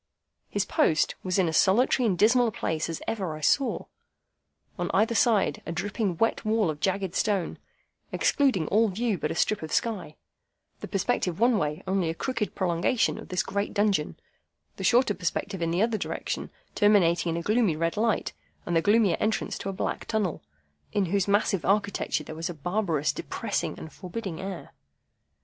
His post was in as solitary and dismal a place as ever I saw. On either side, a dripping wet wall of jagged stone, excluding all view but a strip of sky; the perspective one way only a crooked prolongation of this great dungeon; the shorter perspective in the other direction terminating in a gloomy red light, and the gloomier entrance to a black tunnel, in whose massive architecture there was a barbarous, depressing, and forbidding air.